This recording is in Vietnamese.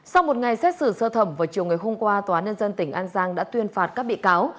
sau một ngày xét xử sơ thẩm vào chiều ngày hôm qua tòa nhân dân tỉnh an giang đã tuyên phạt các bị cáo